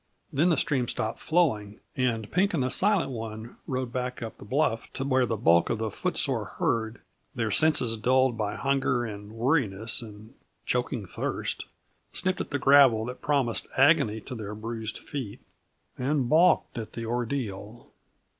Then the stream stopped flowing, and Pink and the Silent One rode back up the bluff to where the bulk of the footsore herd, their senses dulled by hunger and weariness and choking thirst, sniffed at the gravel that promised agony to their bruised feet, and balked at the ordeal.